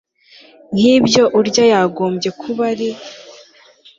nkibyo urya yagombye kuba ari